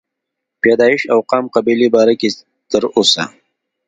پيدائش او قام قبيلې باره کښې تر اوسه